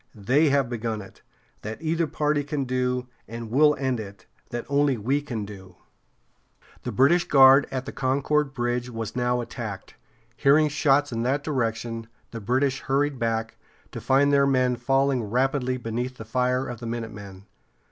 They have begun it that either party can do; and we'll end it that only we can do." [Illustration: The Retreat from Concord.] The British guard at the Concord bridge was now attacked. Hearing shots in that direction, the British hurried back, to find their men falling rapidly beneath the fire of the minutemen.